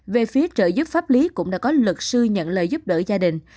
về phía trợ giúp pháp lý cũng đã có luật sư nhận lời giúp đỡ gia đình